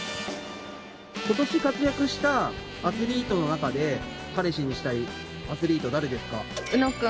今年活躍したアスリートの中で彼氏にしたいアスリート誰ですか？